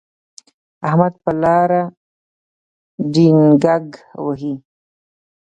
احمد په لاره ډینګګ وهي.